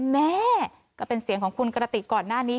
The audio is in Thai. แม่ก็เป็นเสียงของคุณกระติกก่อนหน้านี้